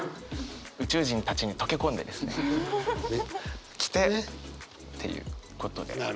宇宙人たちに溶け込んでですね着てっていうことで。